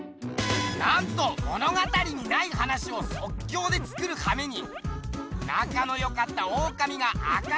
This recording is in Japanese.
なんと物語にない話をそっきょうで作るはめに！